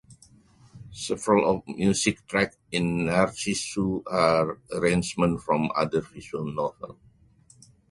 Several of the music tracks in "Narcissu" are arrangements from other visual novels.